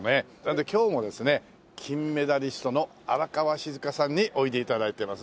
で今日もですね金メダリストの荒川静香さんにおいで頂いてます。